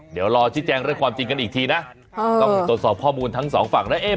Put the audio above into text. เดี๋ยวรอชี้แจงเรื่องความจริงกันอีกทีนะต้องตรวจสอบข้อมูลทั้งสองฝั่งนะ